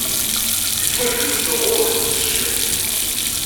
Yettwagdel usuɣu deg usejjay.